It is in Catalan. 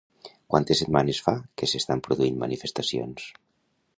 Quantes setmanes fa que s'estan produint manifestacions?